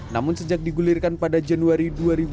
namun sejak digulirkan pada januari dua ribu dua puluh